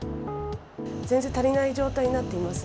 全然足りない状態になっています。